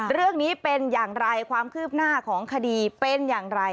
เรื่องนี้เป็นอย่างไรความคืบหน้าของคดีเป็นอย่างไร